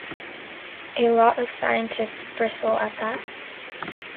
A lot of scientists bristle at that.